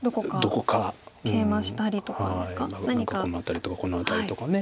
この辺りとかこの辺りとか。